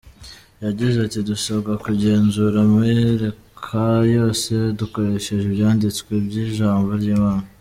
Yagize ati “Dusabwa kugenzura amayerekwa yose dukoresheje ibyanditswe by’ijambo ry’Imana.